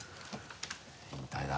引退だ。